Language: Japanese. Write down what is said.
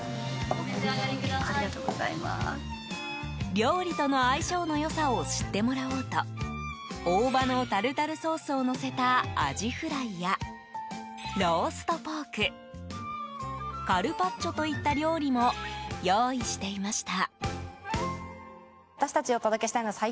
料理との相性の良さを知ってもらおうと大葉のタルタルソースをのせたアジフライやローストポークカルパッチョといった料理も用意していました。